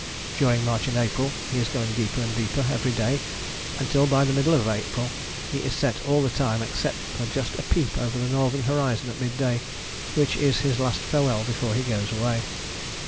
During March and April he is going deeper and deeper every day, until, by the middle of April, he is set all the time except for just a peep over the northern horizon at mid day, which is his last farewell before he goes away.